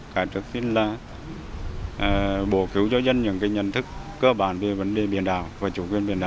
hãy tự xin là bổ cữ cho dân những nhân thức cơ bản về vấn đề biển đảo và chủ quyền biển đảo